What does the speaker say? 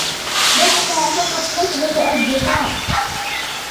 دعنا فقط نصبح أصدقاء.